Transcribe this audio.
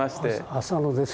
浅野です。